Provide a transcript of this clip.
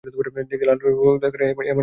দেখতে লাল হলেও ঝাল কম এমন মরিচ নিন এই ভর্তায়।